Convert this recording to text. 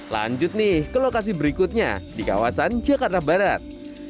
lanjut nih ke lokasi berikutnya di kawasan jakarta barat